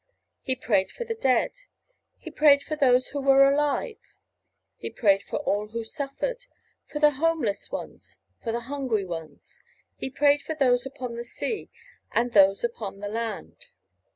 He prayed for the dead. He prayed for those who were alive. He prayed for all who suffered, for the homeless ones, for the hungry ones. He prayed for those upon the sea and those upon the land.